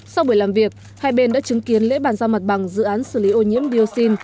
sau buổi làm việc hai bên đã chứng kiến lễ bàn giao mặt bằng dự án xử lý ô nhiễm dioxin